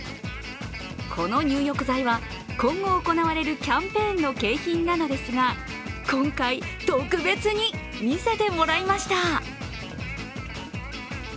この入浴剤は今後行われるキャンペーンの景品なのですが今回、特別に見せてもらいました。